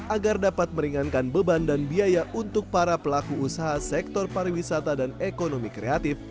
agar dapat meringankan beban dan biaya untuk para pelaku usaha sektor pariwisata dan ekonomi kreatif